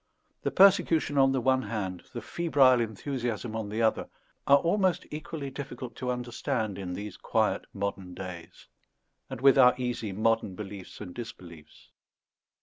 The persecution on the one hand, the febrile enthusiasm on the other, are almost equally difficult to understand in these quiet modern days, and with our easy modern beliefs and disbeliefs.